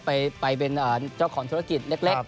ไปเป็นเจ้าของธุรกิจเล็ก